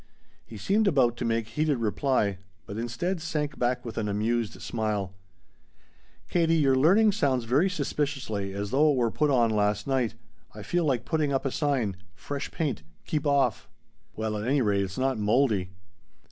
He seemed about to make heated reply, but instead sank back with an amused smile. "Katie, your learning sounds very suspiciously as though it were put on last night. I feel like putting up a sign 'Fresh Paint Keep Off.'" "Well at any rate it's not mouldy!"